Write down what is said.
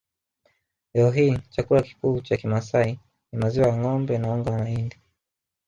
Leo hii chakula kikuu cha Kimasai ni maziwa ya ngombe na unga wa mahindi